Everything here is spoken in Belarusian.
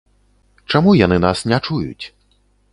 Чаму яны нас не чуюць?